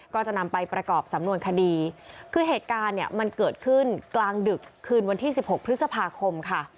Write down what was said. ก็จะนำไปประกอบสำนวนคดีคือเหตุการณ์เนี่ยมันเกิดขึ้นกลางดึกคืนวันที่สิบหกพฤษภาคมค่ะ